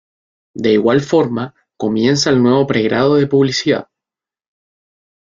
De igual forma, comienza el nuevo pregrado de publicidad.